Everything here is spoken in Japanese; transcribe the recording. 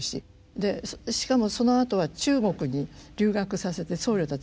でしかもそのあとは中国に留学させて僧侶たちを留学させて。